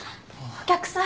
お客さん。